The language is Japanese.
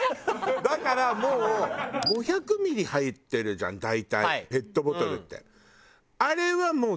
だからもう５００ミリ入ってるじゃん大体ペットボトルって。